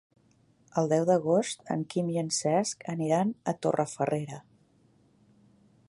El deu d'agost en Quim i en Cesc aniran a Torrefarrera.